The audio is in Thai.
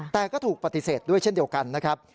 แต่ก็ถูกปฏิเสธด้วยเช่นเดียวกันนะครับ